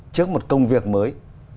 trước một công việc mới